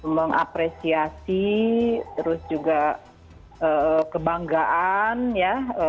mengapresiasi terus juga kebanggaan ya